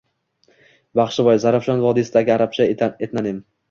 Baxshivoy – Zarafshon vodiysidagi arabcha etnonim.